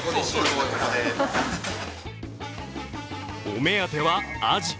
お目当てはあじ。